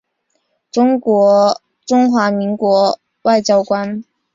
中华民国外交官。